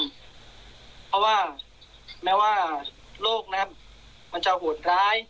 เพราะว่าแม้ว่าโลกนะครับมันจะโหดร้าย